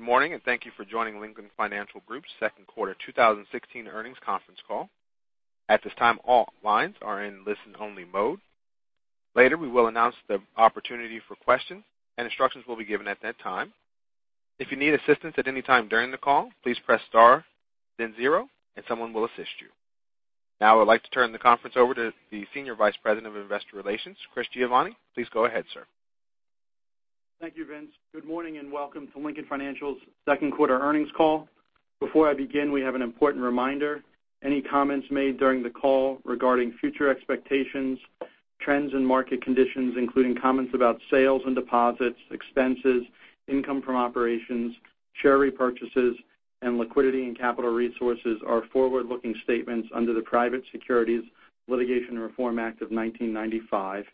Good morning. Thank you for joining Lincoln Financial Group's second quarter 2016 earnings conference call. At this time, all lines are in listen-only mode. Later, we will announce the opportunity for questions, and instructions will be given at that time. If you need assistance at any time during the call, please press star then zero, and someone will assist you. Now, I'd like to turn the conference over to the Senior Vice President of Investor Relations, Chris Giovanni. Please go ahead, sir. Thank you, Vince. Good morning. Welcome to Lincoln Financial's second quarter earnings call. Before I begin, we have an important reminder. Any comments made during the call regarding future expectations, trends and market conditions, including comments about sales and deposits, expenses, income from operations, share repurchases, and liquidity and capital resources are forward-looking statements under the Private Securities Litigation Reform Act of 1995.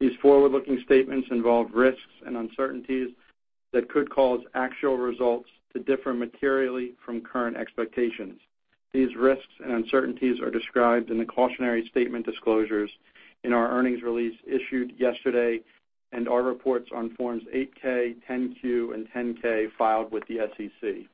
These forward-looking statements involve risks and uncertainties that could cause actual results to differ materially from current expectations. These risks and uncertainties are described in the cautionary statement disclosures in our earnings release issued yesterday and our reports on forms 8-K, 10-Q, and 10-K filed with the SEC.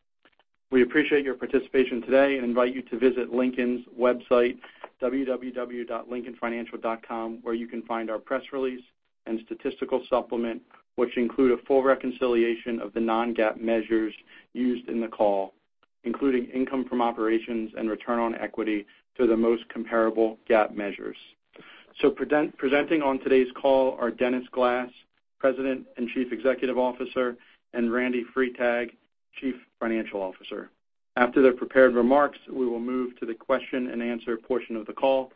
We appreciate your participation today. We invite you to visit Lincoln's website, www.lincolnfinancial.com, where you can find our press release and statistical supplement, which include a full reconciliation of the non-GAAP measures used in the call, including income from operations and return on equity to the most comparable GAAP measures. Presenting on today's call are Dennis Glass, President and Chief Executive Officer, and Randy Freitag, Chief Financial Officer. After their prepared remarks, we will move to the question and answer portion of the call.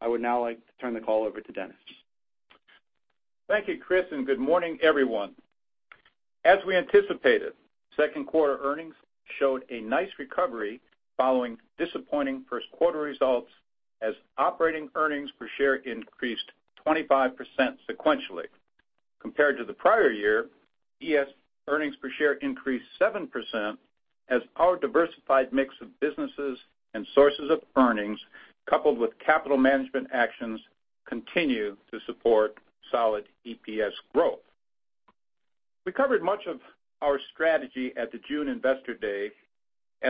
I would now like to turn the call over to Dennis. Thank you, Chris. Good morning, everyone. As we anticipated, second quarter earnings showed a nice recovery following disappointing first-quarter results as operating earnings per share increased 25% sequentially. Compared to the prior year, EPS earnings per share increased 7% as our diversified mix of businesses and sources of earnings, coupled with capital management actions, continue to support solid EPS growth. We covered much of our strategy at the June Investor Day.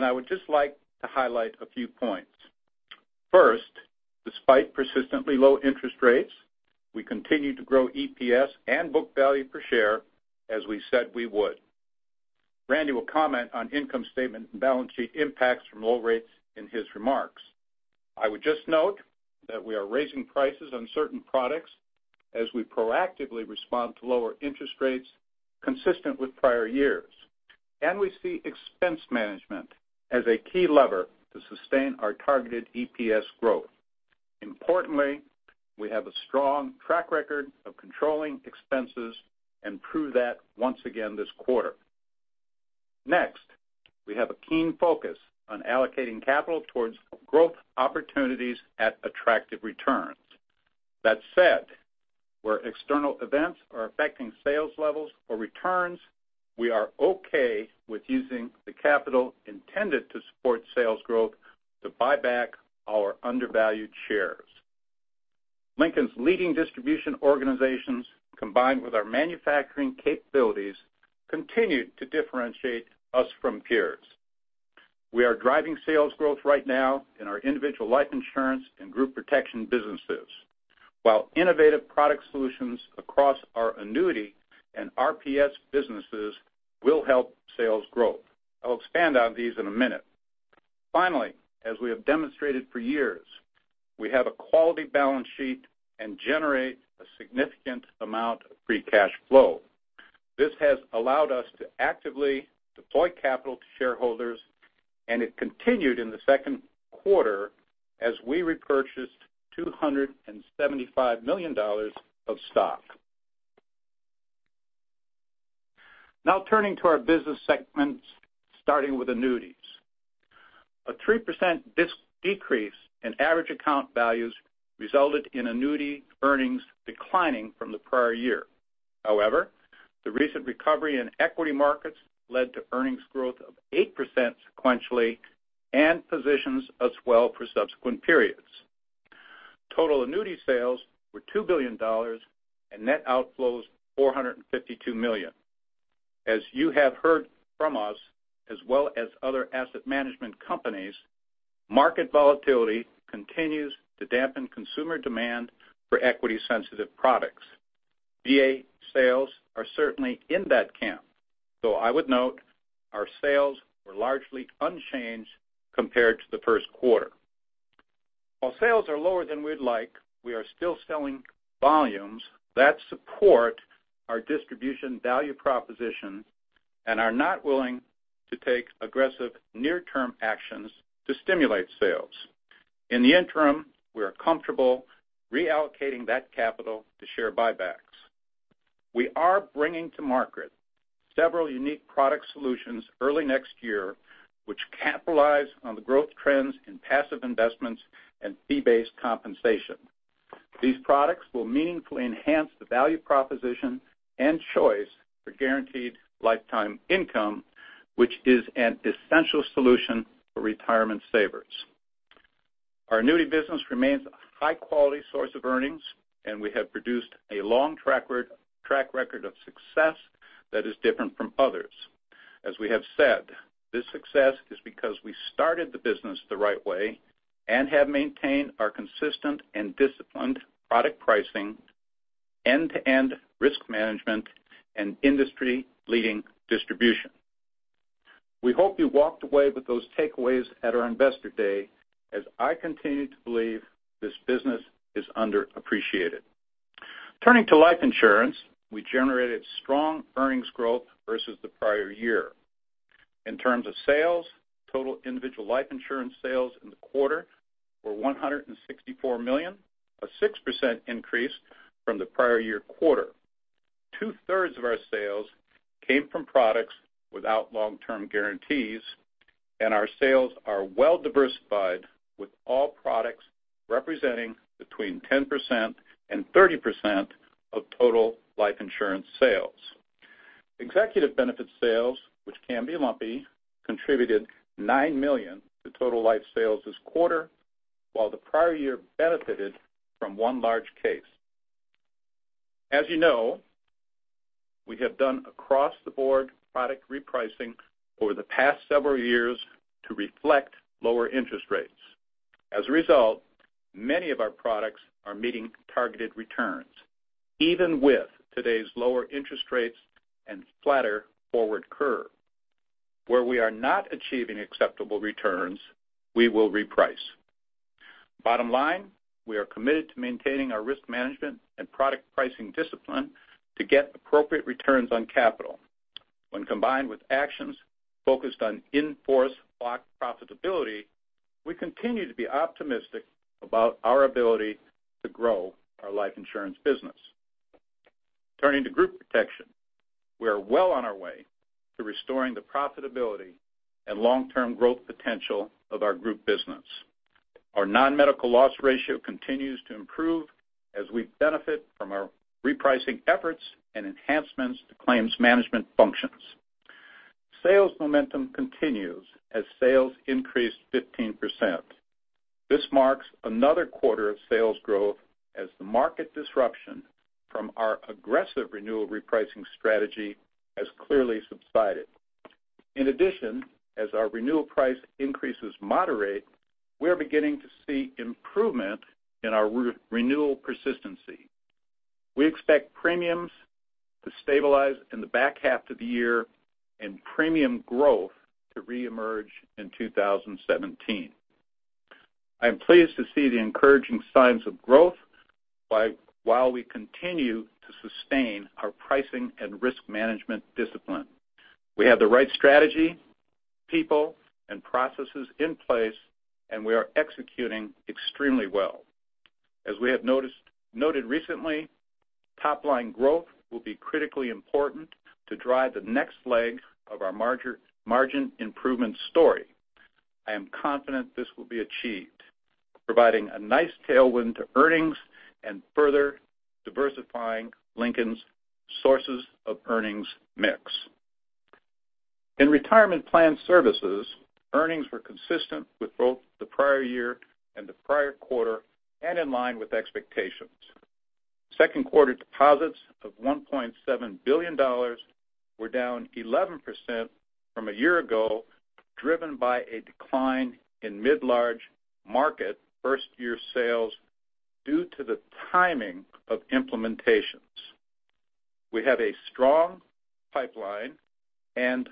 I would just like to highlight a few points. First, despite persistently low interest rates, we continue to grow EPS and book value per share as we said we would. Randy will comment on income statement and balance sheet impacts from low rates in his remarks. I would just note that we are raising prices on certain products as we proactively respond to lower interest rates consistent with prior years. We see expense management as a key lever to sustain our targeted EPS growth. Importantly, we have a strong track record of controlling expenses and proved that once again this quarter. Next, we have a keen focus on allocating capital towards growth opportunities at attractive returns. That said, where external events are affecting sales levels or returns, we are okay with using the capital intended to support sales growth to buy back our undervalued shares. Lincoln's leading distribution organizations, combined with our manufacturing capabilities, continue to differentiate us from peers. We are driving sales growth right now in our individual life insurance and group protection businesses, while innovative product solutions across our annuity and RPS businesses will help sales growth. I'll expand on these in a minute. Finally, as we have demonstrated for years, we have a quality balance sheet and generate a significant amount of free cash flow. This has allowed us to actively deploy capital to shareholders, it continued in the second quarter as we repurchased $275 million of stock. Turning to our business segments, starting with annuities. A 3% decrease in average account values resulted in annuity earnings declining from the prior year. However, the recent recovery in equity markets led to earnings growth of 8% sequentially and positions us well for subsequent periods. Total annuity sales were $2 billion and net outflows, $452 million. You have heard from us, as well as other asset management companies, market volatility continues to dampen consumer demand for equity-sensitive products. VA sales are certainly in that camp. I would note our sales were largely unchanged compared to the first quarter. Sales are lower than we'd like, we are still selling volumes that support our distribution value proposition and are not willing to take aggressive near-term actions to stimulate sales. In the interim, we are comfortable reallocating that capital to share buybacks. We are bringing to market several unique product solutions early next year, which capitalize on the growth trends in passive investments and fee-based compensation. These products will meaningfully enhance the value proposition and choice for guaranteed lifetime income, which is an essential solution for retirement savers. Our annuity business remains a high-quality source of earnings, we have produced a long track record of success that is different from others. We have said, this success is because we started the business the right way and have maintained our consistent and disciplined product pricing, end-to-end risk management, and industry-leading distribution. We hope you walked away with those takeaways at our investor day, I continue to believe this business is underappreciated. Turning to life insurance, we generated strong earnings growth versus the prior year. In terms of sales, total individual life insurance sales in the quarter were $164 million, a 6% increase from the prior year quarter. Two-thirds of our sales came from products without long-term guarantees, our sales are well-diversified, with all products representing between 10%-30% of total life insurance sales. Executive benefit sales, which can be lumpy, contributed $9 million to total life sales this quarter, while the prior year benefited from one large case. You know, we have done across-the-board product repricing over the past several years to reflect lower interest rates. A result, many of our products are meeting targeted returns, even with today's lower interest rates and flatter forward curve. Where we are not achieving acceptable returns, we will reprice. Bottom line, we are committed to maintaining our risk management and product pricing discipline to get appropriate returns on capital. When combined with actions focused on in-force block profitability, we continue to be optimistic about our ability to grow our life insurance business. Turning to group protection. We are well on our way to restoring the profitability and long-term growth potential of our group business. Our non-medical loss ratio continues to improve as we benefit from our repricing efforts and enhancements to claims management functions. Sales momentum continues as sales increased 15%. This marks another quarter of sales growth as the market disruption from our aggressive renewal repricing strategy has clearly subsided. In addition, as our renewal price increases moderate, we are beginning to see improvement in our renewal persistency. We expect premiums to stabilize in the back half of the year and premium growth to reemerge in 2017. I am pleased to see the encouraging signs of growth while we continue to sustain our pricing and risk management discipline. We have the right strategy, people, and processes in place, and we are executing extremely well. As we have noted recently, top-line growth will be critically important to drive the next leg of our margin improvement story. I am confident this will be achieved, providing a nice tailwind to earnings and further diversifying Lincoln's sources of earnings mix. In retirement plan services, earnings were consistent with both the prior year and the prior quarter, and in line with expectations. Second quarter deposits of $1.7 billion were down 11% from a year ago, driven by a decline in mid-large market first-year sales due to the timing of implementations. We have a strong pipeline and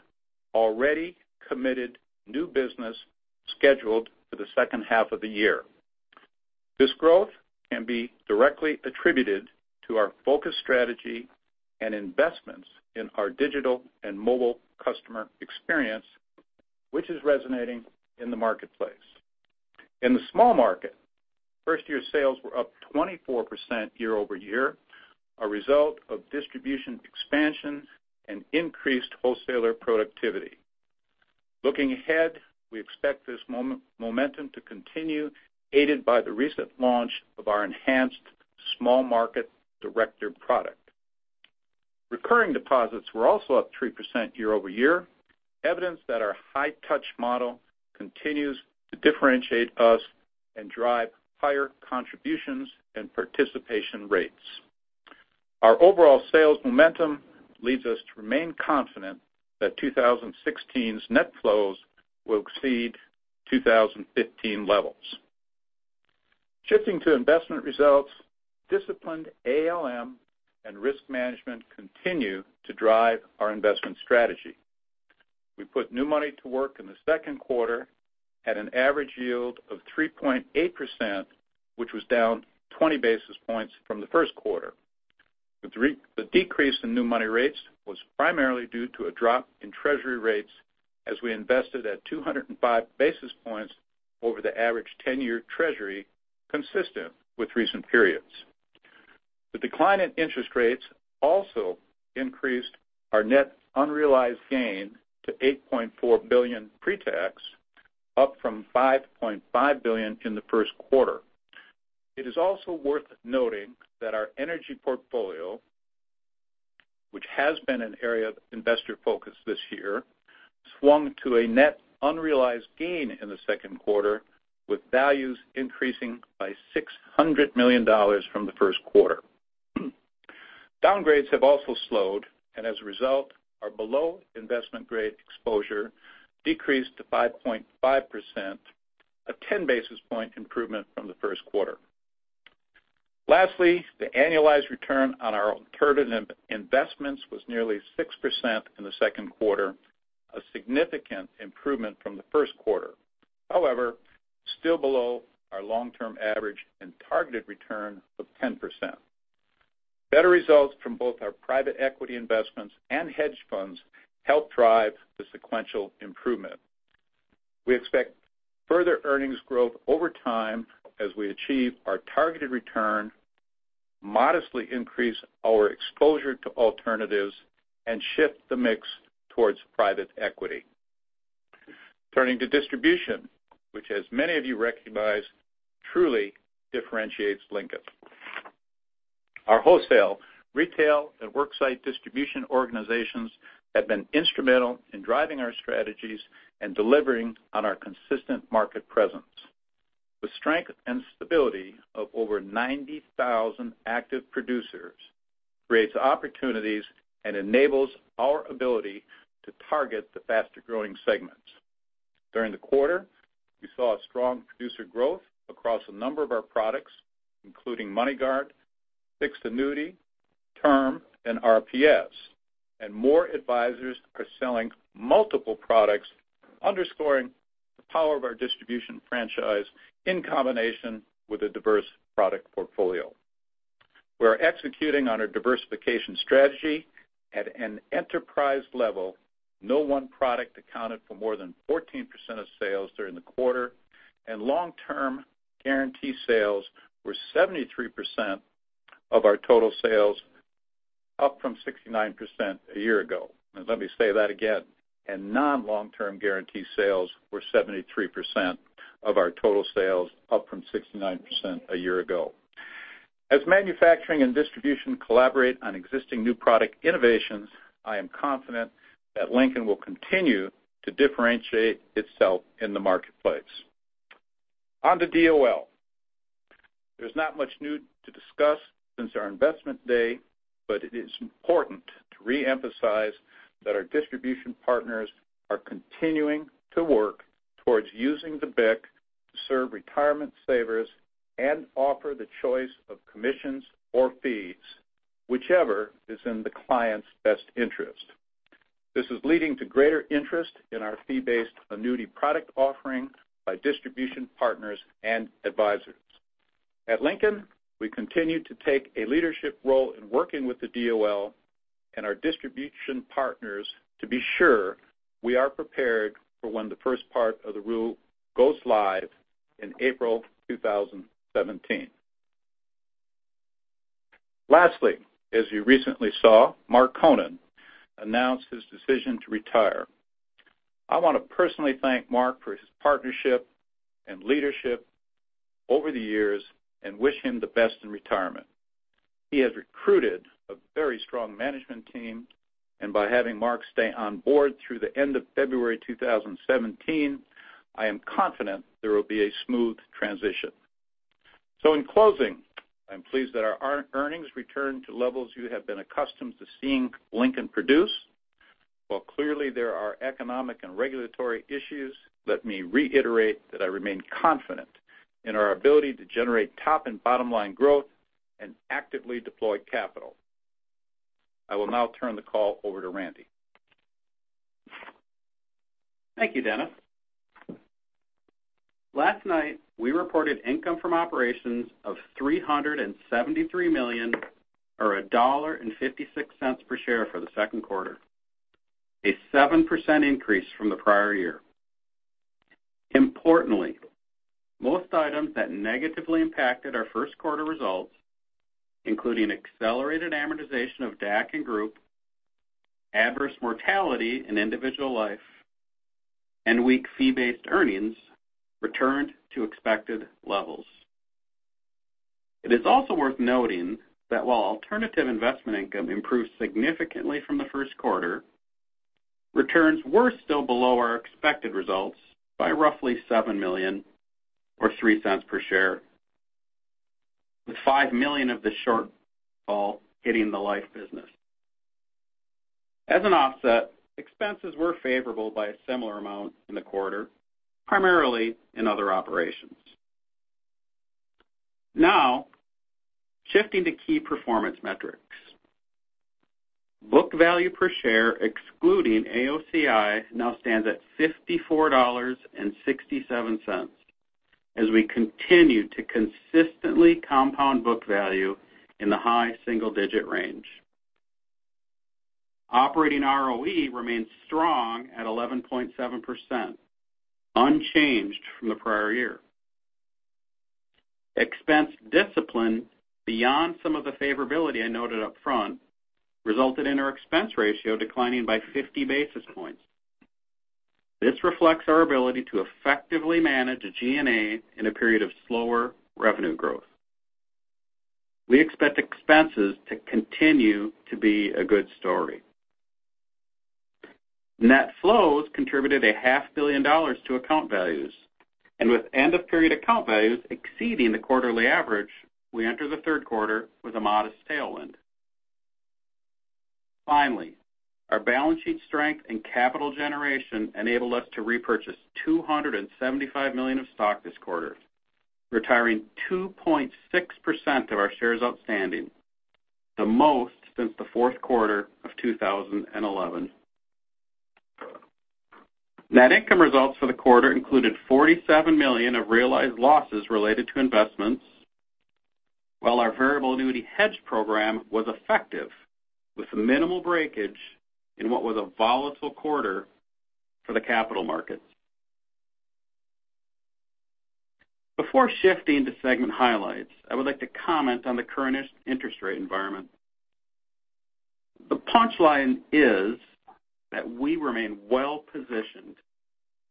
already committed new business scheduled for the second half of the year. This growth can be directly attributed to our focus strategy and investments in our digital and mobile customer experience, which is resonating in the marketplace. In the small market, first-year sales were up 24% year-over-year, a result of distribution expansion and increased wholesaler productivity. Looking ahead, we expect this momentum to continue, aided by the recent launch of our enhanced small market director product. Recurring deposits were also up 3% year-over-year, evidence that our high-touch model continues to differentiate us and drive higher contributions and participation rates. Our overall sales momentum leads us to remain confident that 2016's net flows will exceed 2015 levels. Shifting to investment results, disciplined ALM and risk management continue to drive our investment strategy. We put new money to work in the second quarter at an average yield of 3.8%, which was down 20 basis points from the first quarter. The decrease in new money rates was primarily due to a drop in treasury rates as we invested at 205 basis points over the average 10-year treasury, consistent with recent periods. The decline in interest rates also increased our net unrealized gain to $8.4 billion pre-tax, up from $5.5 billion in the first quarter. It is also worth noting that our energy portfolio, which has been an area of investor focus this year, swung to a net unrealized gain in the second quarter, with values increasing by $600 million from the first quarter. Downgrades have also slowed, and as a result, our below-investment-grade exposure decreased to 5.5%, a 10-basis-point improvement from the first quarter. Lastly, the annualized return on our alternative investments was nearly 6% in the second quarter, a significant improvement from the first quarter. Still below our long-term average and targeted return of 10%. Better results from both our private equity investments and hedge funds helped drive the sequential improvement. We expect further earnings growth over time as we achieve our targeted return, modestly increase our exposure to alternatives, and shift the mix towards private equity. Turning to distribution, which as many of you recognize, truly differentiates Lincoln. Our wholesale, retail, and worksite distribution organizations have been instrumental in driving our strategies and delivering on our consistent market presence. The strength and stability of over 90,000 active producers creates opportunities and enables our ability to target the faster-growing segments. During the quarter, we saw a strong producer growth across a number of our products, including MoneyGuard, fixed annuity, term, and RPS, and more advisors are selling multiple products, underscoring the power of our distribution franchise in combination with a diverse product portfolio. We are executing on a diversification strategy at an enterprise level. No one product accounted for more than 14% of sales during the quarter, and long-term guarantee sales were 73% of our total sales, up from 69% a year ago. Let me say that again. Non-long-term guarantee sales were 73% of our total sales, up from 69% a year ago. As manufacturing and distribution collaborate on existing new product innovations, I am confident that Lincoln will continue to differentiate itself in the marketplace. On to DOL. There's not much new to discuss since our investment day, but it is important to reemphasize that our distribution partners are continuing to work towards using the BIC to serve retirement savers and offer the choice of commissions or fees, whichever is in the client's best interest. This is leading to greater interest in our fee-based annuity product offering by distribution partners and advisors. At Lincoln, we continue to take a leadership role in working with the DOL and our distribution partners to be sure we are prepared for when the first part of the rule goes live in April 2017. Lastly, as you recently saw, Mark Konen announced his decision to retire. I want to personally thank Mark for his partnership and leadership over the years and wish him the best in retirement. He has recruited a very strong management team, and by having Mark stay on board through the end of February 2017, I am confident there will be a smooth transition. In closing, I'm pleased that our earnings returned to levels you have been accustomed to seeing Lincoln produce. While clearly there are economic and regulatory issues, let me reiterate that I remain confident in our ability to generate top and bottom line growth and actively deploy capital. I will now turn the call over to Randy. Thank you, Dennis. Last night, we reported income from operations of $373 million or $1.56 per share for the second quarter, a 7% increase from the prior year. Importantly, most items that negatively impacted our first quarter results, including accelerated amortization of DAC and Group, adverse mortality in individual life, and weak fee-based earnings, returned to expected levels. It is also worth noting that while alternative investment income improved significantly from the first quarter, returns were still below our expected results by roughly $7 million or $0.03 per share, with $5 million of the shortfall hitting the life business. As an offset, expenses were favorable by a similar amount in the quarter, primarily in other operations. Shifting to key performance metrics. Book value per share excluding AOCI now stands at $54.67 as we continue to consistently compound book value in the high single-digit range. Operating ROE remains strong at 11.7%, unchanged from the prior year. Expense discipline, beyond some of the favorability I noted upfront, resulted in our expense ratio declining by 50 basis points. This reflects our ability to effectively manage a G&A in a period of slower revenue growth. We expect expenses to continue to be a good story. Net flows contributed a half billion dollars to account values, and with end of period account values exceeding the quarterly average, we enter the third quarter with a modest tailwind. Our balance sheet strength and capital generation enabled us to repurchase $275 million of stock this quarter, retiring 2.6% of our shares outstanding, the most since the fourth quarter of 2011. Net income results for the quarter included $47 million of realized losses related to investments, while our variable annuity hedge program was effective with minimal breakage in what was a volatile quarter for the capital markets. Before shifting to segment highlights, I would like to comment on the current interest rate environment. The punchline is that we remain well positioned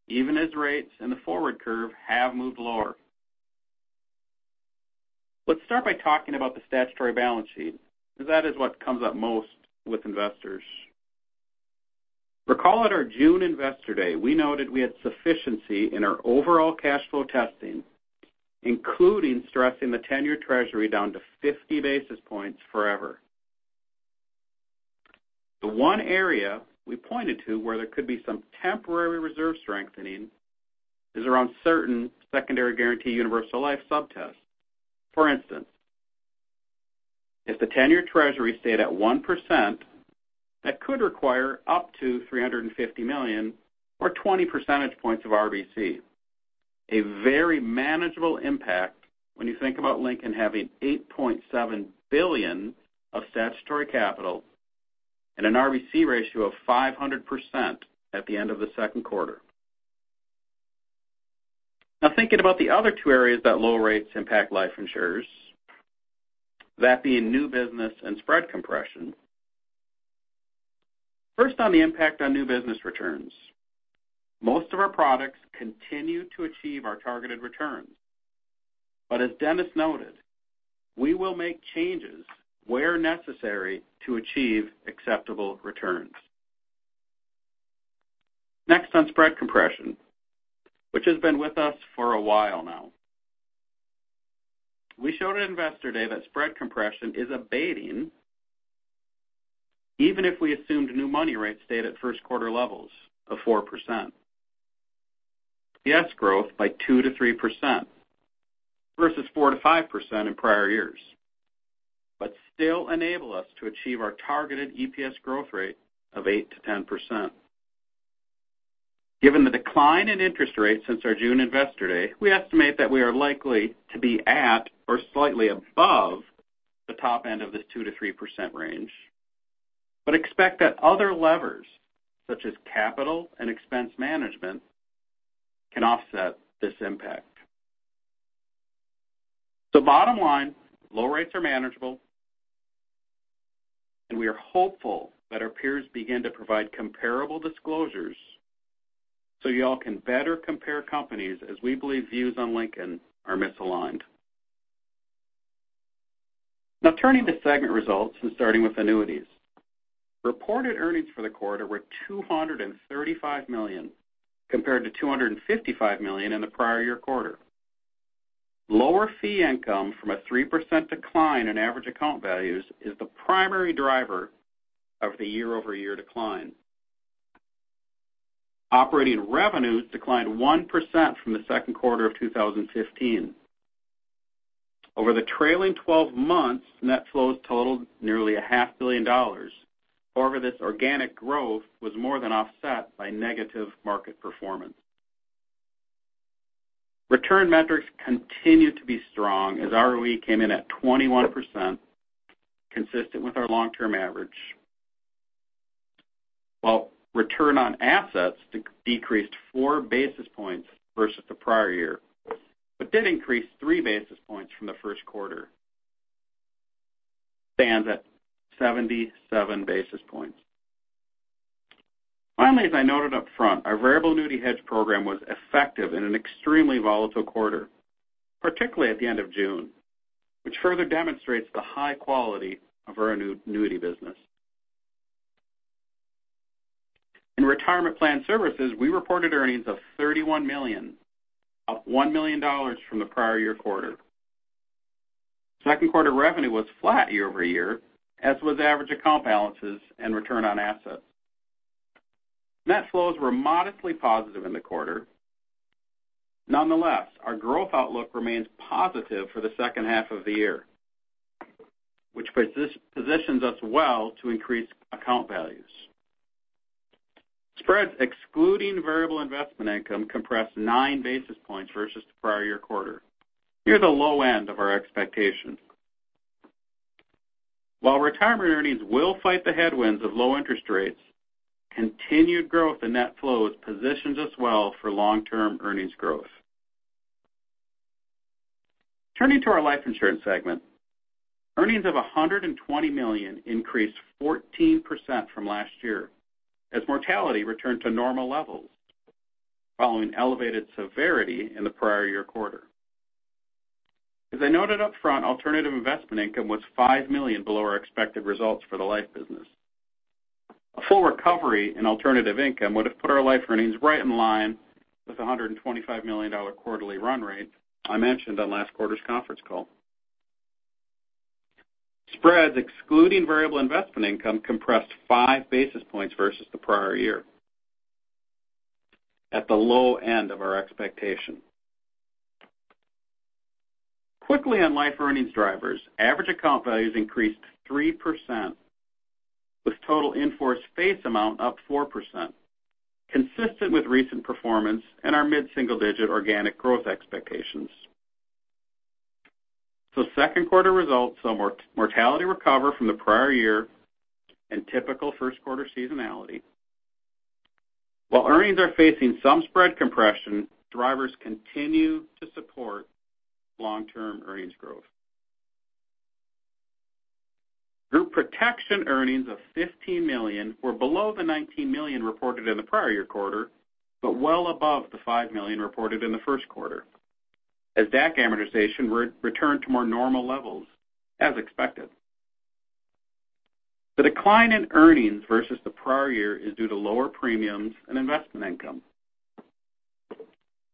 even as rates in the forward curve have moved lower. Let's start by talking about the statutory balance sheet, because that is what comes up most with investors. Recall at our June Investor Day, we noted we had sufficiency in our overall cash flow testing, including stressing the 10-year Treasury down to 50 basis points forever. The one area we pointed to where there could be some temporary reserve strengthening is around certain secondary guarantee universal life sub-tests. If the 10-year Treasury stayed at 1%, that could require up to $350 million or 20 percentage points of RBC. A very manageable impact when you think about Lincoln having $8.7 billion of statutory capital and an RBC ratio of 500% at the end of the second quarter. Thinking about the other two areas that low rates impact life insurers, that being new business and spread compression. First on the impact on new business returns. Most of our products continue to achieve our targeted returns. As Dennis noted, we will make changes where necessary to achieve acceptable returns. Next on spread compression, which has been with us for a while now. We showed at Investor Day that spread compression is abating even if we assumed new money rates stayed at first quarter levels of 4%. EPS growth by 2%-3%, versus 4%-5% in prior years, still enable us to achieve our targeted EPS growth rate of 8%-10%. Given the decline in interest rates since our June Investor Day, we estimate that we are likely to be at or slightly above the top end of this 2%-3% range. Expect that other levers such as capital and expense management can offset this impact. Bottom line, low rates are manageable and we are hopeful that our peers begin to provide comparable disclosures so y'all can better compare companies as we believe views on Lincoln are misaligned. Turning to segment results and starting with annuities. Reported earnings for the quarter were $235 million compared to $255 million in the prior year quarter. Lower fee income from a 3% decline in average account values is the primary driver of the year-over-year decline. Operating revenues declined 1% from the second quarter of 2015. Over the trailing 12 months, net flows totaled nearly a half billion dollars. This organic growth was more than offset by negative market performance. Return metrics continued to be strong as ROE came in at 21%, consistent with our long-term average. While return on assets decreased four basis points versus the prior year, did increase three basis points from the first quarter. Stands at 77 basis points. Finally, as I noted up front, our variable annuity hedge program was effective in an extremely volatile quarter, particularly at the end of June, which further demonstrates the high quality of our annuity business. In retirement plan services, we reported earnings of $31 million, up $1 million from the prior year quarter. Second quarter revenue was flat year-over-year, as was average account balances and return on assets. Net flows were modestly positive in the quarter. Our growth outlook remains positive for the second half of the year, which positions us well to increase account values. Spreads excluding variable investment income compressed nine basis points versus the prior year quarter. Near the low end of our expectation. Retirement earnings will fight the headwinds of low interest rates, continued growth in net flows positions us well for long-term earnings growth. Turning to our life insurance segment, earnings of $120 million increased 14% from last year as mortality returned to normal levels following elevated severity in the prior year quarter. As I noted upfront, alternative investment income was $5 million below our expected results for the life business. A full recovery in alternative income would've put our life earnings right in line with the $125 million quarterly run rate I mentioned on last quarter's conference call. Spreads excluding variable investment income compressed five basis points versus the prior year at the low end of our expectation. Quickly on life earnings drivers, average account values increased 3%, with total in-force face amount up 4%, consistent with recent performance and our mid-single-digit organic growth expectations. Second quarter results saw mortality recover from the prior year and typical first quarter seasonality. Earnings are facing some spread compression, drivers continue to support long-term earnings growth. Group protection earnings of $15 million were below the $19 million reported in the prior year quarter, well above the $5 million reported in the first quarter, as DAC amortization returned to more normal levels, as expected. The decline in earnings versus the prior year is due to lower premiums and investment income.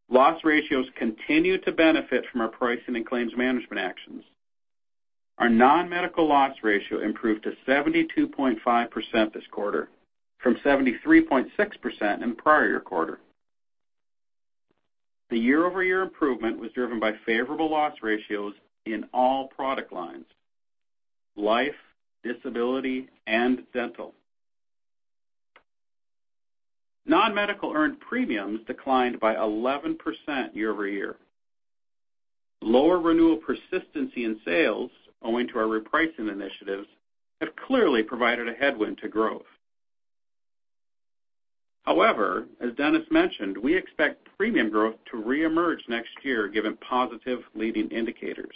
Loss ratios continue to benefit from our pricing and claims management actions. Our non-medical loss ratio improved to 72.5% this quarter from 73.6% in the prior year quarter. The year-over-year improvement was driven by favorable loss ratios in all product lines, life, disability, and dental. Non-medical earned premiums declined by 11% year-over-year. Lower renewal persistency in sales owing to our repricing initiatives have clearly provided a headwind to growth. However, as Dennis mentioned, we expect premium growth to reemerge next year given positive leading indicators.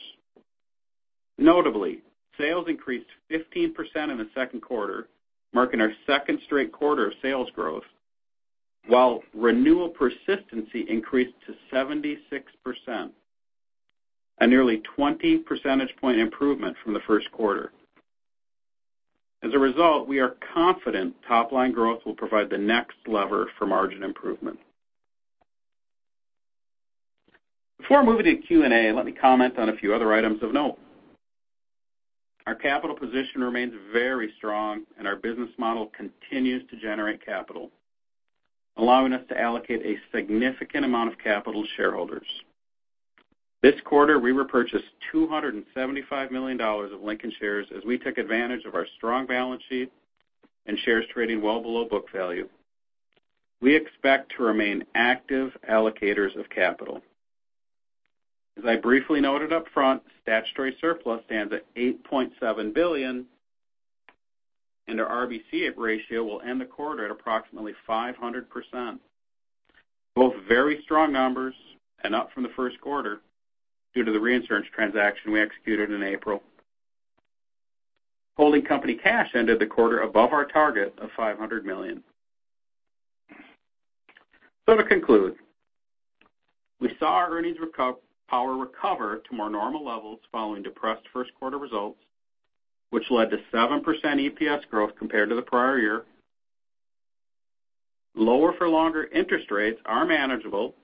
Notably, sales increased 15% in the second quarter, marking our second straight quarter of sales growth, while renewal persistency increased to 76%, a nearly 20 percentage point improvement from the first quarter. As a result, we are confident top-line growth will provide the next lever for margin improvement. Before moving to Q&A, let me comment on a few other items of note. Our capital position remains very strong, and our business model continues to generate capital, allowing us to allocate a significant amount of capital to shareholders. This quarter, we repurchased $275 million of Lincoln shares as we took advantage of our strong balance sheet and shares trading well below book value. We expect to remain active allocators of capital. As I briefly noted upfront, statutory surplus stands at $8.7 billion, and our RBC ratio will end the quarter at approximately 500%, both very strong numbers and up from the first quarter due to the reinsurance transaction we executed in April. Holding company cash ended the quarter above our target of $500 million. To conclude, we saw our earnings power recover to more normal levels following depressed first-quarter results, which led to 7% EPS growth compared to the prior year. Lower-for-longer interest rates are manageable,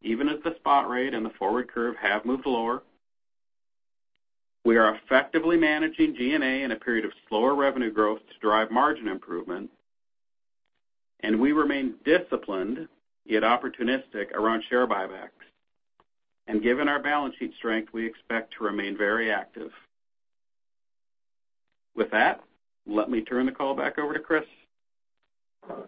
even as the spot rate and the forward curve have moved lower. We are effectively managing G&A in a period of slower revenue growth to drive margin improvement. We remain disciplined, yet opportunistic around share buybacks. Given our balance sheet strength, we expect to remain very active. With that, let me turn the call back over to Chris.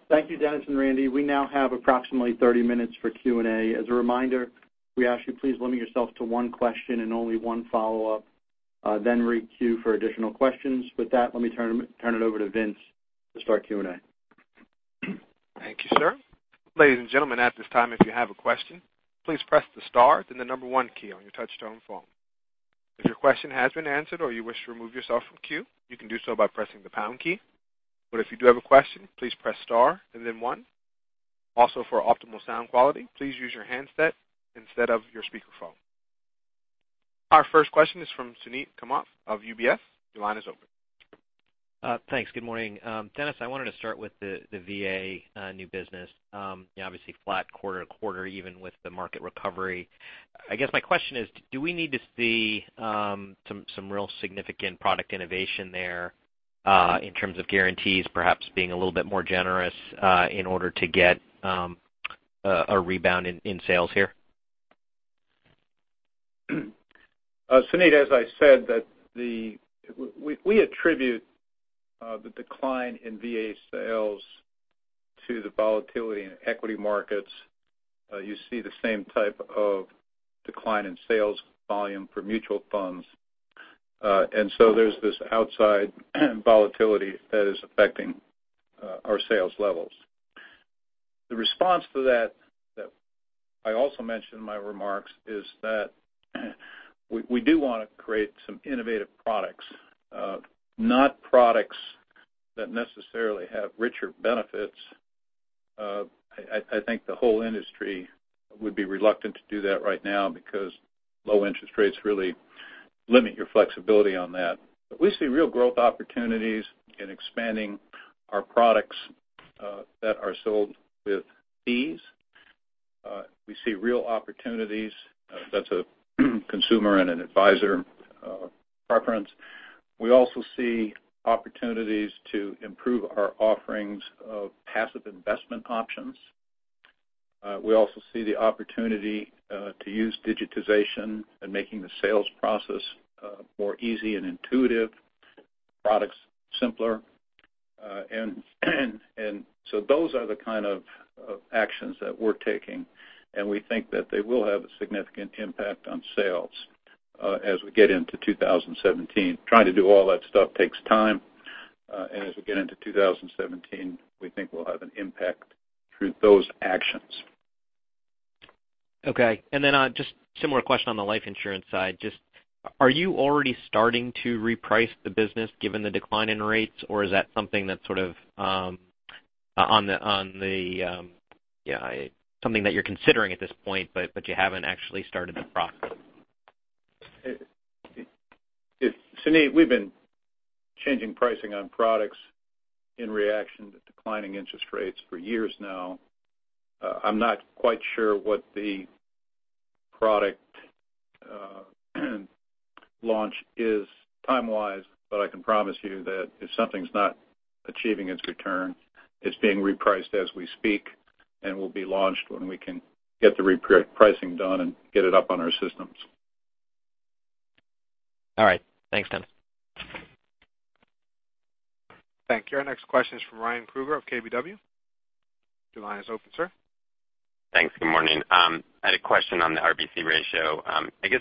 Thank you, Dennis and Randy. We now have approximately 30 minutes for Q&A. As a reminder, we ask you please limit yourself to one question and only one follow-up, then re-queue for additional questions. With that, let me turn it over to Vince to start Q&A. Thank you, sir. Ladies and gentlemen, at this time, if you have a question, please press the star, then the number one key on your touchtone phone. If your question has been answered or you wish to remove yourself from queue, you can do so by pressing the pound key. If you do have a question, please press star and then one. Also, for optimal sound quality, please use your handset instead of your speakerphone. Our first question is from Suneet Kamath of UBS. Your line is open. Thanks. Good morning. Dennis, I wanted to start with the VA new business. Obviously flat quarter-over-quarter even with the market recovery. I guess my question is, do we need to see some real significant product innovation there, in terms of guarantees perhaps being a little bit more generous, in order to get a rebound in sales here? Suneet, as I said, we attribute the decline in VA sales to the volatility in equity markets. You see the same type of decline in sales volume for mutual funds. There's this outside volatility that is affecting our sales levels. The response to that I also mentioned in my remarks, is that we do want to create some innovative products. Not products that necessarily have richer benefits. I think the whole industry would be reluctant to do that right now because low interest rates really limit your flexibility on that. We see real growth opportunities in expanding our products that are sold with fees. We see real opportunities. That's a consumer and an advisor preference. We also see opportunities to improve our offerings of passive investment options. We also see the opportunity to use digitization in making the sales process more easy and intuitive, products simpler. Those are the kind of actions that we're taking, and we think that they will have a significant impact on sales as we get into 2017. Trying to do all that stuff takes time. As we get into 2017, we think we'll have an impact through those actions. Okay. Just similar question on the life insurance side. Just are you already starting to reprice the business given the decline in rates, or is that something that you're considering at this point, but you haven't actually started the process? Suneet, we've been changing pricing on products in reaction to declining interest rates for years now. I'm not quite sure what the product launch is time-wise, but I can promise you that if something's not achieving its return, it's being repriced as we speak, and will be launched when we can get the repricing done and get it up on our systems. All right. Thanks, Dennis. Thank you. Our next question is from Ryan Krueger of KBW. Your line is open, sir. Thanks. Good morning. I had a question on the RBC ratio. I guess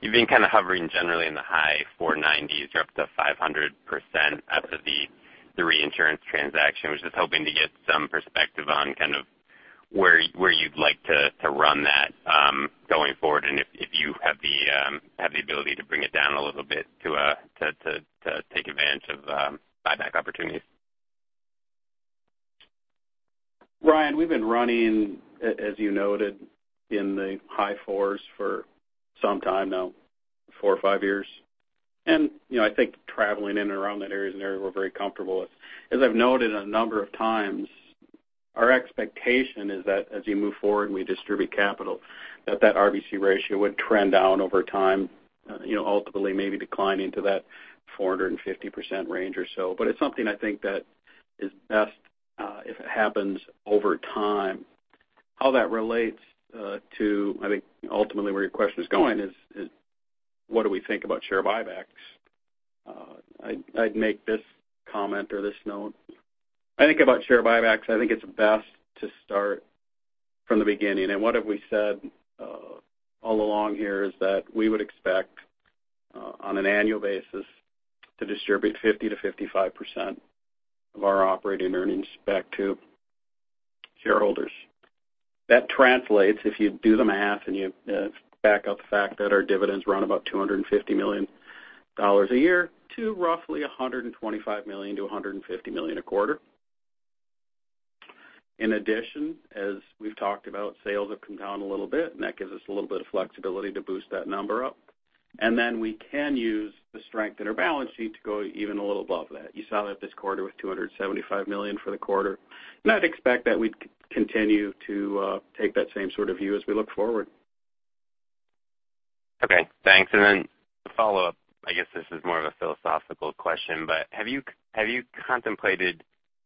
you've been kind of hovering generally in the high 490s. You're up to 500% after the reinsurance transaction. Was just hoping to get some perspective on kind of where you'd like to run that going forward, and if you have the ability to bring it down a little bit to take advantage of buyback opportunities. Ryan, we've been running, as you noted, in the high 4s for some time now, four or five years. I think traveling in and around that area is an area we're very comfortable with. As I've noted a number of times, our expectation is that as you move forward and we distribute capital, that that RBC ratio would trend down over time, ultimately maybe declining to that 450% range or so. It's something I think that is best if it happens over time. How that relates to, I think ultimately where your question is going is, what do we think about share buybacks? I'd make this comment or this note. I think about share buybacks, I think it's best to start from the beginning. What have we said all along here is that we would expect, on an annual basis to distribute 50%-55% of our operating earnings back to shareholders. That translates, if you do the math and you back out the fact that our dividends run about $250 million a year to roughly $125 million-$150 million a quarter. In addition, as we've talked about, sales have come down a little bit, that gives us a little bit of flexibility to boost that number up. Then we can use the strength in our balance sheet to go even a little above that. You saw that this quarter with $275 million for the quarter. I'd expect that we'd continue to take that same sort of view as we look forward. Okay, thanks. A follow-up. I guess this is more of a philosophical question, have you contemplated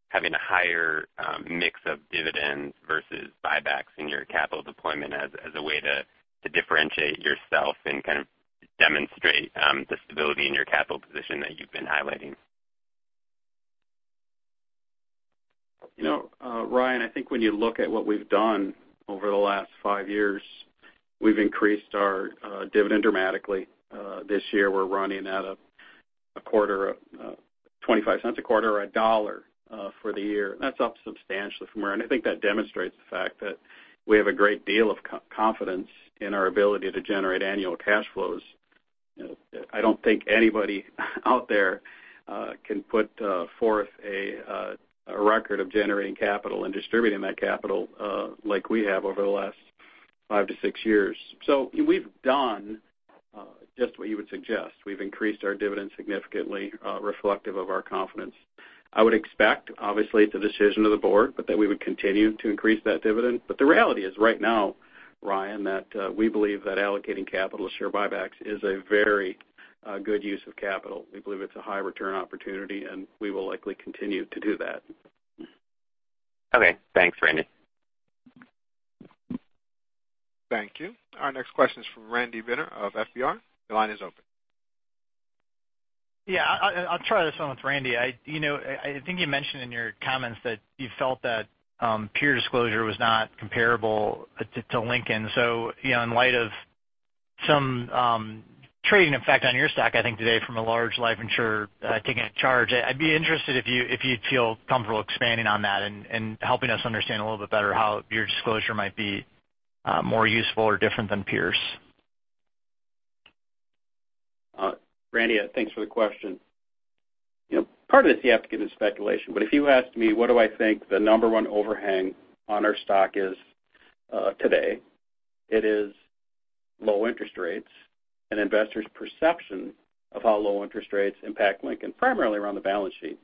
having a higher mix of dividends versus buybacks in your capital deployment as a way to differentiate yourself and kind of demonstrate the stability in your capital position that you've been highlighting? Ryan, I think when you look at what we've done over the last five years, we've increased our dividend dramatically. This year we're running at $0.25 a quarter or $1 for the year. That's up substantially. I think that demonstrates the fact that we have a great deal of confidence in our ability to generate annual cash flows. I don't think anybody out there can put forth a record of generating capital and distributing that capital like we have over the last five to six years. We've done just what you would suggest. We've increased our dividend significantly, reflective of our confidence. I would expect, obviously it's a decision of the board, that we would continue to increase that dividend. The reality is right now, Ryan, that we believe that allocating capital to share buybacks is a very good use of capital. We believe it's a high return opportunity, we will likely continue to do that. Okay. Thanks, Randy. Thank you. Our next question is from Randy Binner of FBR. Your line is open. Yeah. I'll try this one with Randy. I think you mentioned in your comments that you felt that peer disclosure was not comparable to Lincoln. In light of some trading effect on your stock, I think today from a large life insurer taking a charge. I'd be interested if you'd feel comfortable expanding on that and helping us understand a little bit better how your disclosure might be more useful or different than peers. Randy, thanks for the question. Part of this you have to give to speculation, if you asked me what do I think the number one overhang on our stock is today, it is low interest rates and investors' perception of how low interest rates impact Lincoln, primarily around the balance sheet.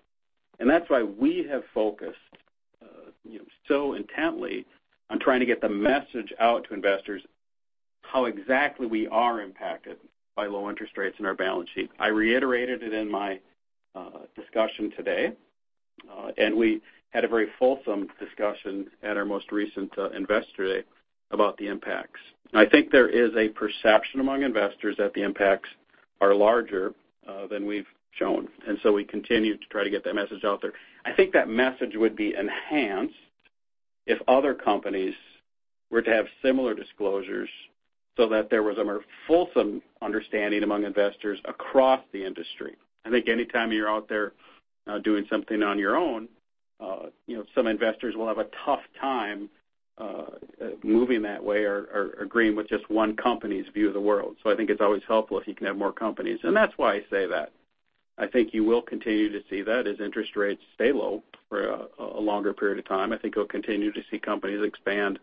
That's why we have focused so intently on trying to get the message out to investors how exactly we are impacted by low interest rates in our balance sheet. I reiterated it in my discussion today. We had a very fulsome discussion at our most recent Investor Day about the impacts. I think there is a perception among investors that the impacts are larger than we've shown, we continue to try to get that message out there. I think that message would be enhanced if other companies were to have similar disclosures so that there was a more fulsome understanding among investors across the industry. I think anytime you're out there doing something on your own, some investors will have a tough time moving that way or agreeing with just one company's view of the world. I think it's always helpful if you can have more companies, that's why I say that. I think you will continue to see that as interest rates stay low for a longer period of time. I think you'll continue to see companies expand the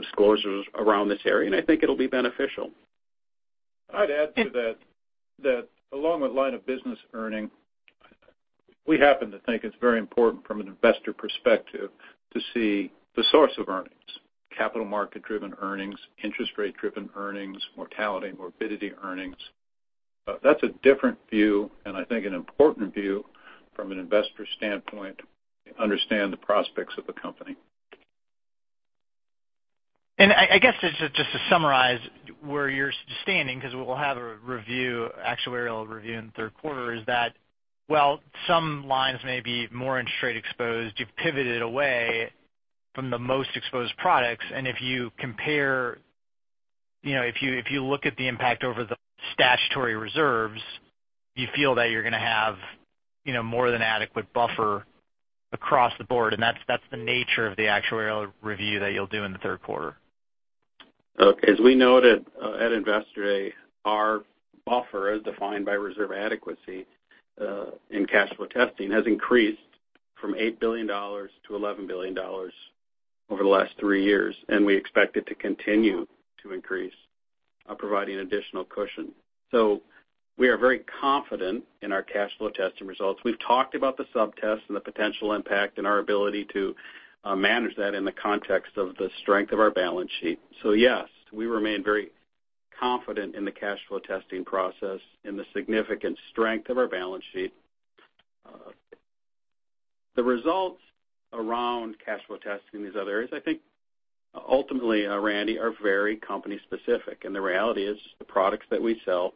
disclosures around this area, I think it'll be beneficial. I'd add to that along the line of business earning, we happen to think it's very important from an investor perspective to see the source of earnings, capital market-driven earnings, interest rate-driven earnings, mortality, morbidity earnings. That's a different view, I think an important view from an investor standpoint to understand the prospects of a company. I guess just to summarize where you're standing, because we'll have an actuarial review in the third quarter, is that while some lines may be more interest rate exposed, you've pivoted away from the most exposed products. If you look at the impact over the statutory reserves, you feel that you're going to have more than adequate buffer across the board, that's the nature of the actuarial review that you'll do in the third quarter. Look, as we noted at Investor Day, our buffer, as defined by reserve adequacy in cash flow testing, has increased from $8 billion to $11 billion over the last three years, we expect it to continue to increase providing additional cushion. We are very confident in our cash flow testing results. We've talked about the sub-tests and the potential impact and our ability to manage that in the context of the strength of our balance sheet. Yes, we remain very confident in the cash flow testing process and the significant strength of our balance sheet. The results around cash flow testing in these other areas, I think ultimately, Randy, are very company specific. The reality is, the products that we sell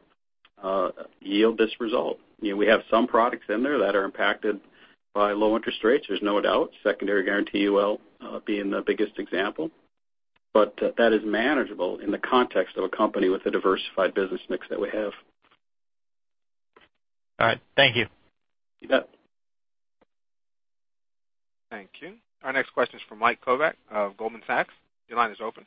yield this result. We have some products in there that are impacted by low interest rates, there's no doubt. Secondary guarantee UL being the biggest example. That is manageable in the context of a company with a diversified business mix that we have. All right. Thank you. You bet. Thank you. Our next question is from Michael Kovac of Goldman Sachs. Your line is open.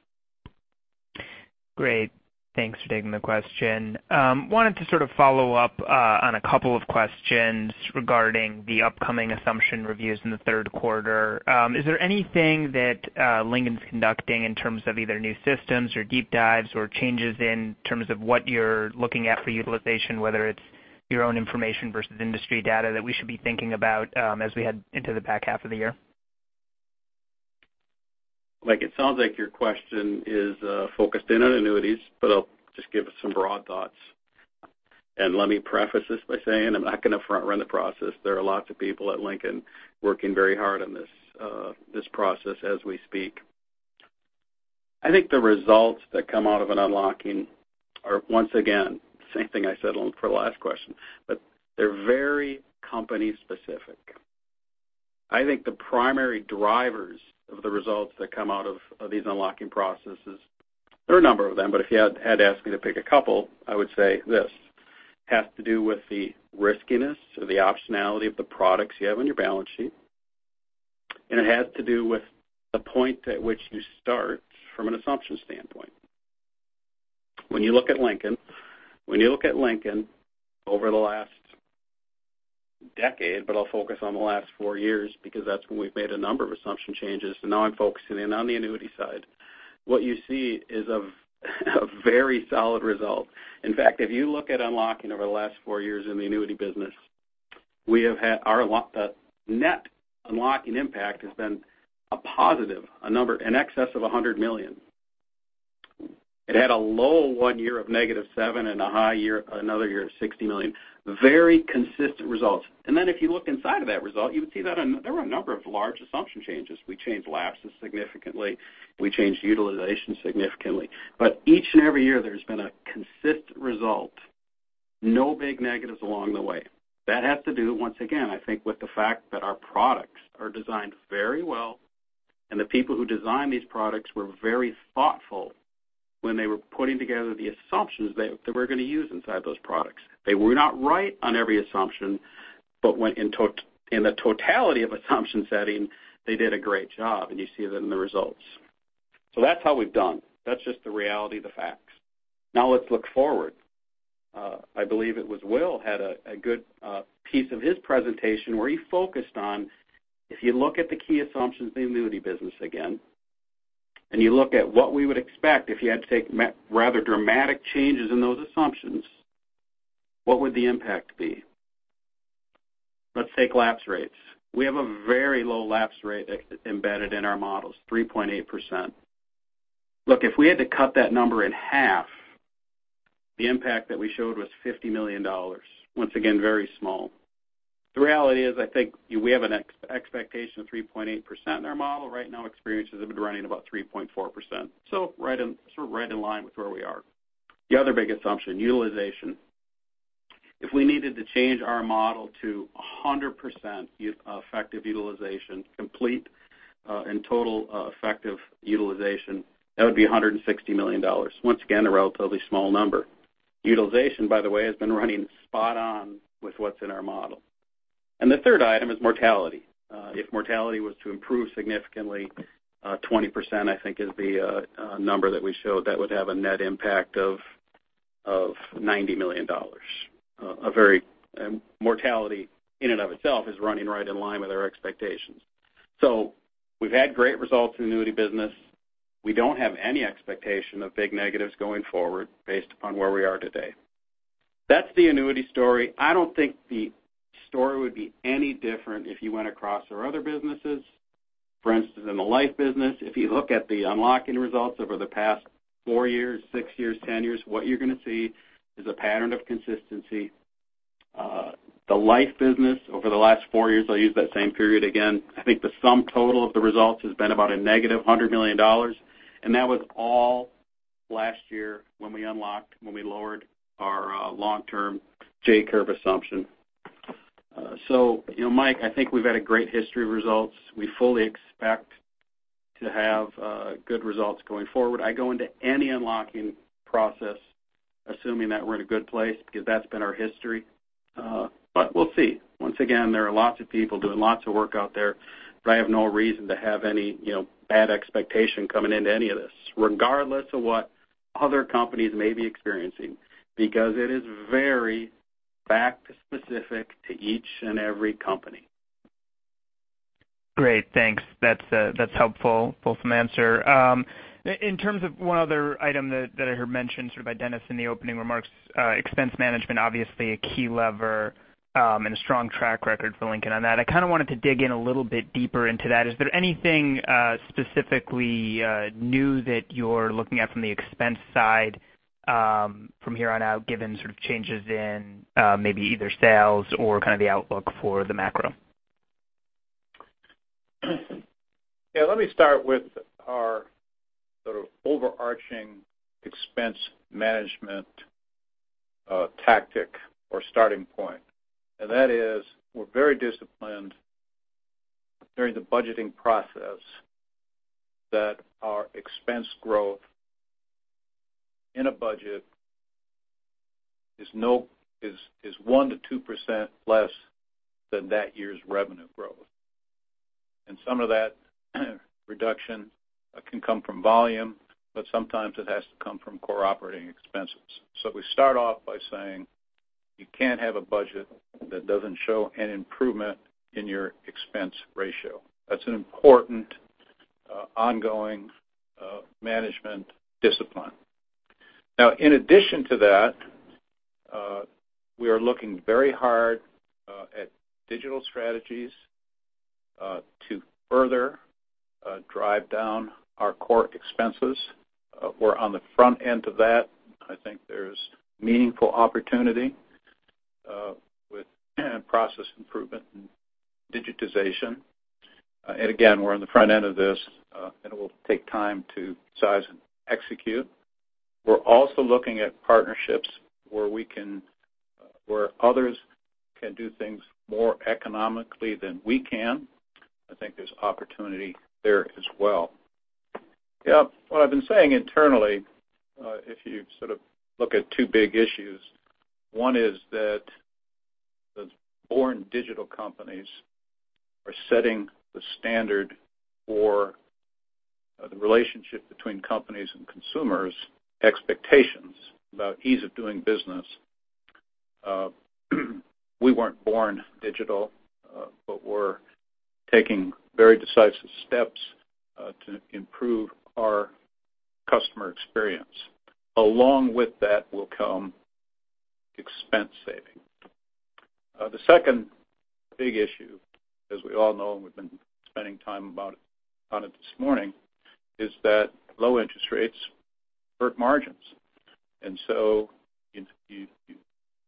Great. Thanks for taking the question. Wanted to sort of follow up on a couple of questions regarding the upcoming assumption reviews in the third quarter. Is there anything that Lincoln's conducting in terms of either new systems or deep dives or changes in terms of what you're looking at for utilization, whether it's your own information versus industry data that we should be thinking about as we head into the back half of the year? Mike, it sounds like your question is focused in on annuities, but I'll just give some broad thoughts. Let me preface this by saying I'm not going to front run the process. There are lots of people at Lincoln working very hard on this process as we speak. I think the results that come out of an unlocking are, once again, same thing I said for the last question, but they're very company specific. I think the primary drivers of the results that come out of these unlocking processes, there are a number of them, but if you had to ask me to pick a couple, I would say this. It has to do with the riskiness or the optionality of the products you have on your balance sheet. It has to do with the point at which you start from an assumption standpoint. When you look at Lincoln over the last decade, but I'll focus on the last four years because that's when we've made a number of assumption changes, now I'm focusing in on the annuity side. What you see is a very solid result. In fact, if you look at unlocking over the last four years in the annuity business, the net unlocking impact has been a positive, a number in excess of $100 million. It had a low one year of -7 and a high year, another year of $60 million. Very consistent results. Then if you look inside of that result, you would see that there were a number of large assumption changes. We changed lapses significantly. We changed utilization significantly. Each and every year, there's been a consistent result. No big negatives along the way. That has to do, once again, I think, with the fact that our products are designed very well, and the people who designed these products were very thoughtful when they were putting together the assumptions that we're going to use inside those products. They were not right on every assumption, but in the totality of assumption setting, they did a great job, and you see that in the results. That's how we've done. That's just the reality of the facts. Now let's look forward. I believe it was Will had a good piece of his presentation where he focused on, if you look at the key assumptions of the annuity business again, and you look at what we would expect if you had to take rather dramatic changes in those assumptions, what would the impact be? Let's take lapse rates. We have a very low lapse rate embedded in our models, 3.8%. Look, if we had to cut that number in half, the impact that we showed was $50 million. Once again, very small. The reality is, I think we have an expectation of 3.8% in our model. Right now, experiences have been running about 3.4%. Right in line with where we are. The other big assumption, utilization. If we needed to change our model to 100% effective utilization, complete and total effective utilization, that would be $160 million. Once again, a relatively small number. Utilization, by the way, has been running spot on with what's in our model. The third item is mortality. If mortality was to improve significantly, 20%, I think, is the number that we showed, that would have a net impact of $90 million. Mortality in and of itself is running right in line with our expectations. We've had great results in the annuity business. We don't have any expectation of big negatives going forward based upon where we are today. That's the annuity story. I don't think the story would be any different if you went across our other businesses. For instance, in the life business, if you look at the unlocking results over the past four years, six years, 10 years, what you're going to see is a pattern of consistency. The life business over the last four years, I'll use that same period again, I think the sum total of the results has been about a negative $100 million, and that was all last year when we unlocked, when we lowered our long-term J-curve assumption. Mike, I think we've had a great history of results. We fully expect to have good results going forward. I go into any unlocking process assuming that we're in a good place because that's been our history. We'll see. Once again, there are lots of people doing lots of work out there, but I have no reason to have any bad expectation coming into any of this, regardless of what other companies may be experiencing, because it is very fact specific to each and every company. Great, thanks. That's a helpful answer. In terms of one other item that I heard mentioned by Dennis in the opening remarks, expense management obviously a key lever and a strong track record for Lincoln on that. I kind of wanted to dig in a little bit deeper into that. Is there anything specifically new that you're looking at from the expense side from here on out, given changes in maybe either sales or the outlook for the macro? Yeah, let me start with our overarching expense management tactic or starting point. That is, we're very disciplined during the budgeting process that our expense growth in a budget is 1%-2% less than that year's revenue growth. Some of that reduction can come from volume, but sometimes it has to come from core operating expenses. We start off by saying, you can't have a budget that doesn't show an improvement in your expense ratio. That's an important ongoing management discipline. In addition to that, we are looking very hard at digital strategies to further drive down our core expenses. We're on the front end of that. I think there's meaningful opportunity with process improvement and digitization. Again, we're on the front end of this, and it will take time to size and execute. We're also looking at partnerships where others can do things more economically than we can. I think there's opportunity there as well. What I've been saying internally, if you look at two big issues, one is that the born digital companies are setting the standard for the relationship between companies and consumers' expectations about ease of doing business. We weren't born digital, but we're taking very decisive steps to improve our customer experience. Along with that will come expense saving. The second big issue, as we all know, and we've been spending time on it this morning, is that low interest rates hurt margins.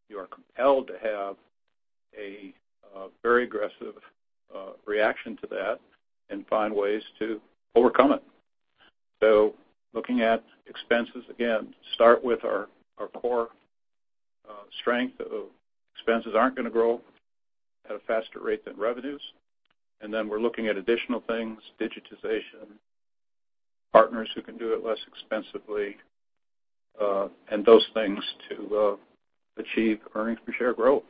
You are compelled to have a very aggressive reaction to that and find ways to overcome it. Looking at expenses, again, start with our core strength. Expenses aren't going to grow at a faster rate than revenues. We're looking at additional things, digitization, partners who can do it less expensively, and those things to achieve earnings per share growth.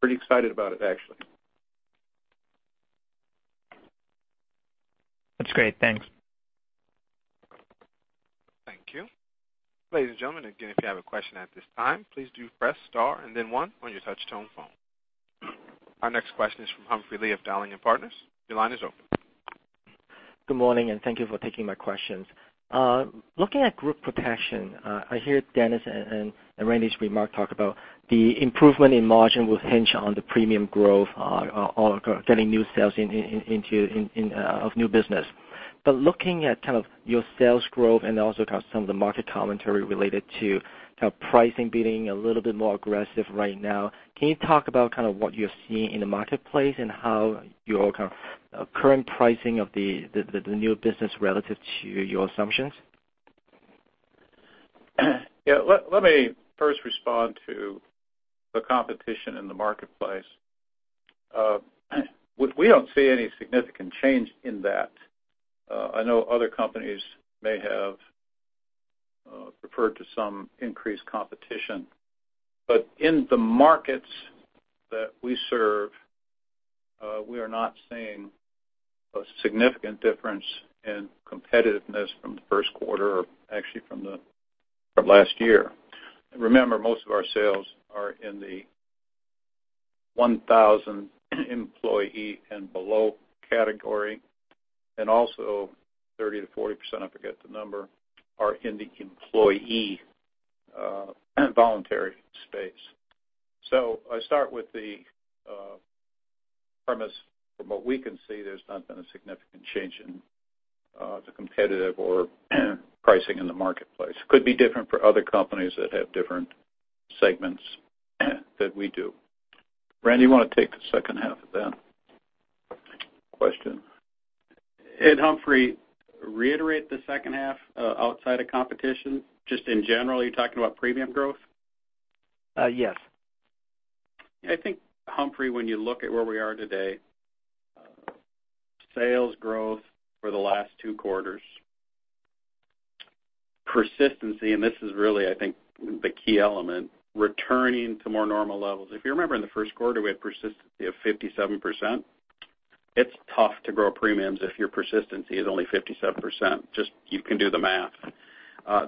Pretty excited about it, actually. That's great. Thanks. Thank you. Ladies and gentlemen, again, if you have a question at this time, please do press star and then one on your touch-tone phone. Our next question is from Humphrey Lee of Dowling & Partners. Your line is open. Good morning, and thank you for taking my questions. Looking at Group Protection, I hear Dennis and Randy's remark talk about the improvement in margin will hinge on the premium growth or getting new sales of new business. Looking at your sales growth and also kind of some of the market commentary related to pricing being a little bit more aggressive right now, can you talk about what you're seeing in the marketplace and how your current pricing of the new business relative to your assumptions? Yeah. Let me first respond to the competition in the marketplace. We don't see any significant change in that. I know other companies may have referred to some increased competition. In the markets that we serve, we are not seeing a significant difference in competitiveness from the first quarter or actually from last year. Remember, most of our sales are in the 1,000 employee and below category, and also 30%-40%, I forget the number, are in the employee voluntary space. I start with the premise from what we can see, there's not been a significant change in the competitive or pricing in the marketplace. Could be different for other companies that have different segments than we do. Randy, you want to take the second half of that question? Humphrey, reiterate the second half, outside of competition, just in general, are you talking about premium growth? Yes. I think, Humphrey, when you look at where we are today, sales growth for the last two quarters, persistency, and this is really, I think, the key element, returning to more normal levels. If you remember in the first quarter, we had persistency of 57%. It's tough to grow premiums if your persistency is only 57%. Just you can do the math.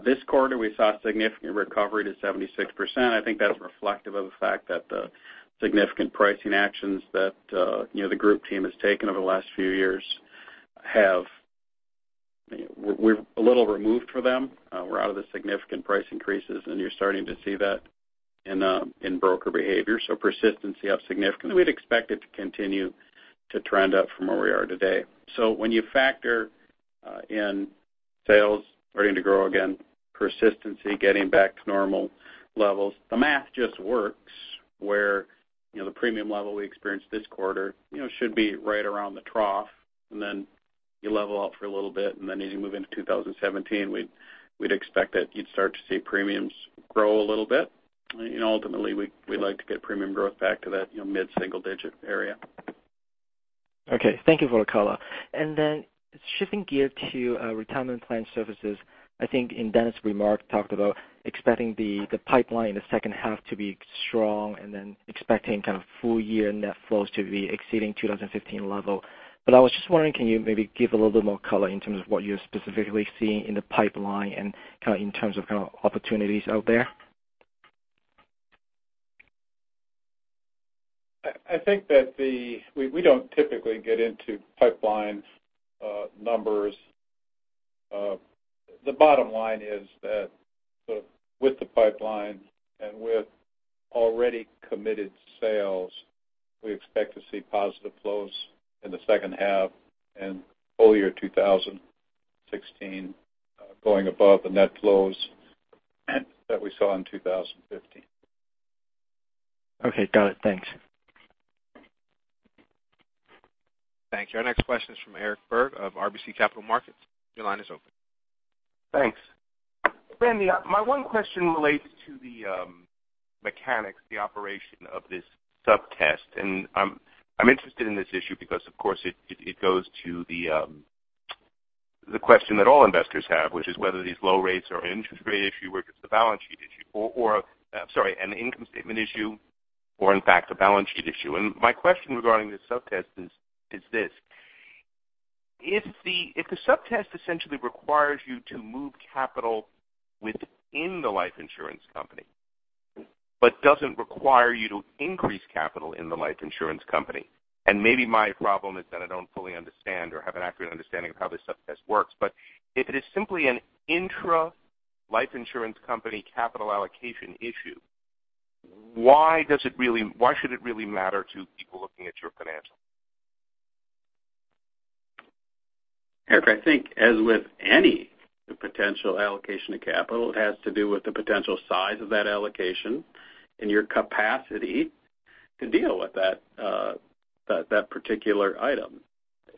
This quarter, we saw significant recovery to 76%. I think that's reflective of the fact that the significant pricing actions that the group team has taken over the last few years, we're a little removed from them. We're out of the significant price increases, and you're starting to see that in broker behavior. Persistency up significantly. We'd expect it to continue to trend up from where we are today. When you factor in sales starting to grow again, persistency getting back to normal levels, the math just works where the premium level we experienced this quarter should be right around the trough, and then you level out for a little bit, and then as you move into 2017, we'd expect that you'd start to see premiums grow a little bit. Ultimately, we'd like to get premium growth back to that mid-single-digit area. Okay. Thank you for the color. Shifting gear to Retirement Plan Services, I think in Dennis' remark, talked about expecting the pipeline in the second half to be strong and then expecting kind of full-year net flows to be exceeding 2015 level. I was just wondering, can you maybe give a little bit more color in terms of what you're specifically seeing in the pipeline and in terms of opportunities out there? I think that we don't typically get into pipeline numbers. The bottom line is that with the pipeline and with already committed sales, we expect to see positive flows in the second half and full year 2016 going above the net flows that we saw in 2015. Okay, got it. Thanks. Thank you. Our next question is from Eric Berg of RBC Capital Markets. Your line is open. Thanks. Randy, my one question relates to the mechanics, the operation of this sub-test. I'm interested in this issue because, of course, it goes to the question that all investors have, which is whether these low rates are an interest rate issue or if it's a balance sheet issue, or, sorry, an income statement issue, or in fact, a balance sheet issue. My question regarding this sub-test is this: If the sub-test essentially requires you to move capital within the life insurance company, but doesn't require you to increase capital in the life insurance company, and maybe my problem is that I don't fully understand or have an accurate understanding of how this sub-test works, but if it is simply an intra-life insurance company capital allocation issue, why should it really matter to people looking at your financials? Eric, I think as with any potential allocation of capital, it has to do with the potential size of that allocation and your capacity to deal with that particular item.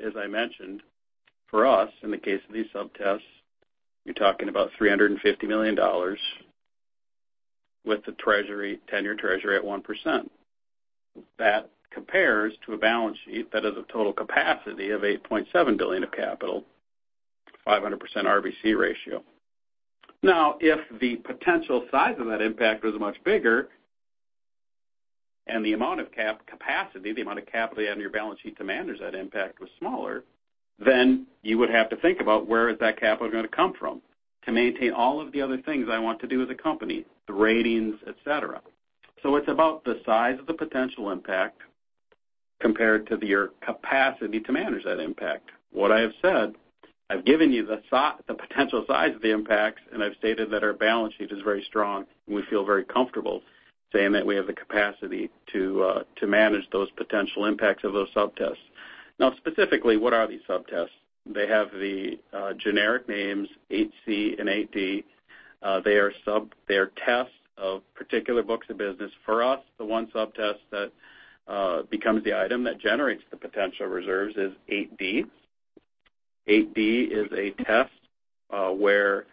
As I mentioned, for us, in the case of these sub-tests, you're talking about $350 million with the 10-year Treasury at 1%. That compares to a balance sheet that has a total capacity of $8.7 billion of capital, 500% RBC ratio. If the potential size of that impact was much bigger and the amount of capacity, the amount of capital you have on your balance sheet to manage that impact was smaller, you would have to think about where is that capital going to come from to maintain all of the other things I want to do as a company, the ratings, et cetera. It's about the size of the potential impact compared to your capacity to manage that impact. What I have said, I've given you the potential size of the impact, I've stated that our balance sheet is very strong, we feel very comfortable saying that we have the capacity to manage those potential impacts of those sub-tests. Specifically, what are these sub-tests? They have the generic names 8C and 8D. They are tests of particular books of business. For us, the one sub-test that becomes the item that generates the potential reserves is 8D. 8D is a test where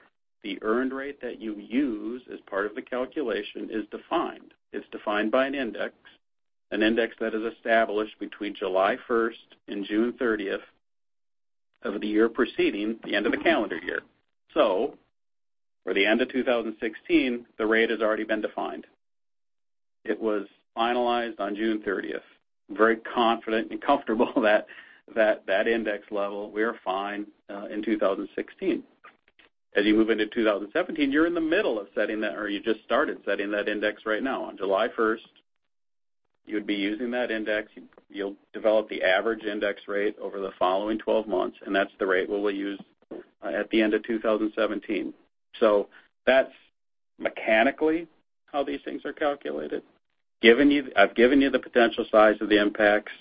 the earned rate that you use as part of the calculation is defined. It's defined by an index, an index that is established between July 1st and June 30th of the year preceding the end of the calendar year. For the end of 2016, the rate has already been defined. It was finalized on June 30th. Very confident and comfortable that that index level, we're fine in 2016. As you move into 2017, you're in the middle of setting that, or you just started setting that index right now. On July 1st, you'd be using that index. You'll develop the average index rate over the following 12 months, and that's the rate we will use at the end of 2017. That's mechanically how these things are calculated. I've given you the potential size of the impacts.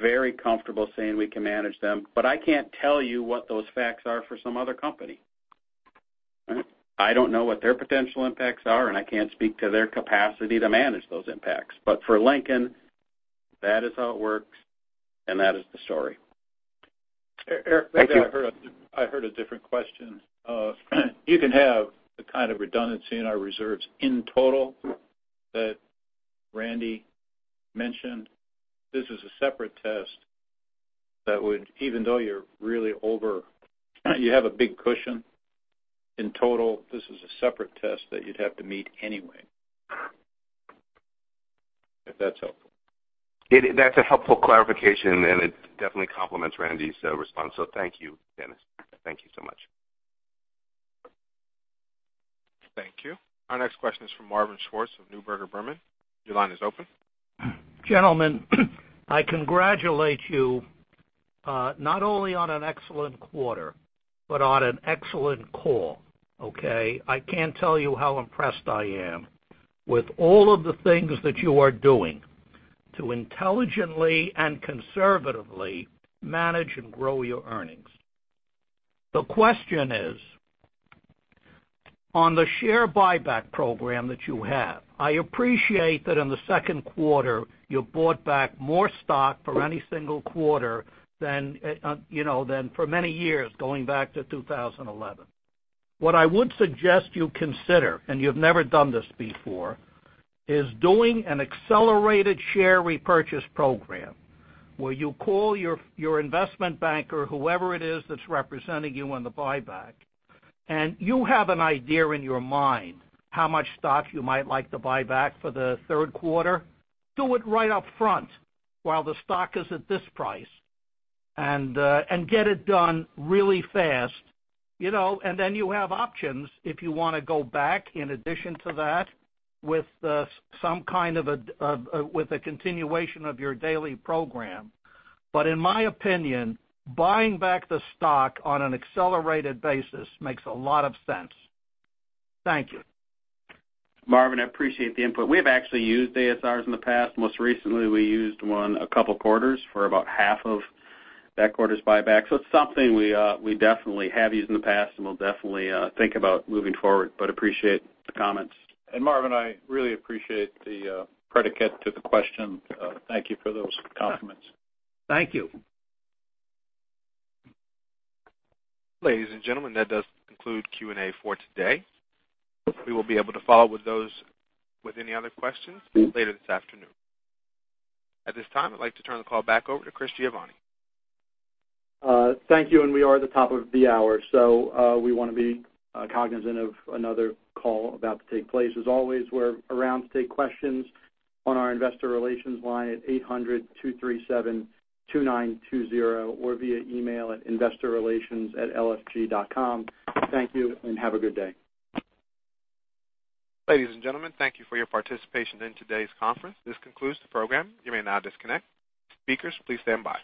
Very comfortable saying we can manage them, but I can't tell you what those facts are for some other company. I don't know what their potential impacts are, and I can't speak to their capacity to manage those impacts. For Lincoln, that is how it works, and that is the story. Eric- Thank you. I heard a different question. You can have the kind of redundancy in our reserves in total that Randy mentioned. This is a separate test that would, even though you have a big cushion in total, this is a separate test that you'd have to meet anyway. If that's helpful. That's a helpful clarification, and it definitely complements Randy's response. Thank you, Dennis. Thank you so much. Thank you. Our next question is from Marvin Schwartz of Neuberger Berman. Your line is open. Gentlemen, I congratulate you not only on an excellent quarter, but on an excellent call. Okay. I can't tell you how impressed I am with all of the things that you are doing to intelligently and conservatively manage and grow your earnings. The question is, on the share buyback program that you have, I appreciate that in the second quarter you bought back more stock for any single quarter than for many years, going back to 2011. What I would suggest you consider, and you've never done this before, is doing an accelerated share repurchase program, where you call your investment banker, whoever it is that's representing you on the buyback, and you have an idea in your mind how much stock you might like to buy back for the third quarter. Do it right up front while the stock is at this price, and get it done really fast. Then you have options if you want to go back in addition to that with a continuation of your daily program. In my opinion, buying back the stock on an accelerated basis makes a lot of sense. Thank you. Marvin, I appreciate the input. We have actually used ASRs in the past. Most recently, we used one a couple of quarters for about half of that quarter's buyback. It's something we definitely have used in the past and we'll definitely think about moving forward. Appreciate the comments. Marvin, I really appreciate the predicate to the question. Thank you for those compliments. Thank you. Ladies and gentlemen, that does conclude Q&A for today. We will be able to follow up with any other questions later this afternoon. At this time, I'd like to turn the call back over to Chris Giovanni. Thank you. We are at the top of the hour. We want to be cognizant of another call about to take place. As always, we're around to take questions on our investor relations line at 800-237-2920 or via email at investorrelations@lfg.com. Thank you. Have a good day. Ladies and gentlemen, thank you for your participation in today's conference. This concludes the program. You may now disconnect. Speakers, please stand by.